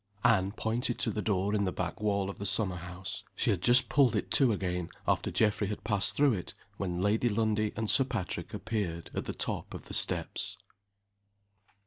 Anne pointed to the door in the back wall of the summer house. She had just pulled it to again, after Geoffrey had passed through it, when Lady Lundie and Sir Patrick appeared at the top of the steps.